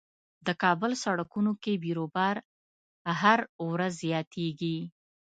د کابل سړکونو کې بیروبار هر ورځ زياتيږي.